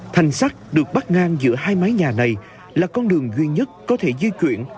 thành sắt được bắt ngang giữa hai mái nhà này là con đường duy nhất có thể di chuyển